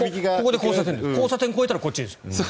交差点を越えたらこっちです。